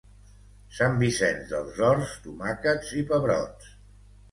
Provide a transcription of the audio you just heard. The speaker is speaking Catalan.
Sant Vicenç dels Horts, tomàquets i pebrots